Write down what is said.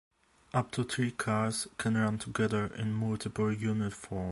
Up to three cars can run together in multiple unit form.